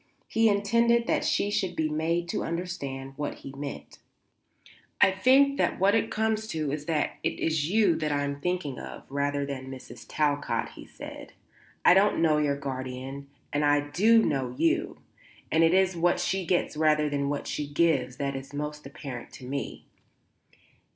He intended that she should be made to understand what he meant. "I think that what it comes to is that it is you I am thinking of, rather than of Mrs. Talcott," he said. "I don't know your guardian, and I do know you, and it is what she gets rather than what she gives that is most apparent to me."